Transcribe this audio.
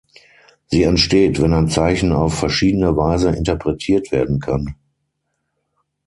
Sie entsteht, wenn ein Zeichen auf verschiedene Weise interpretiert werden kann.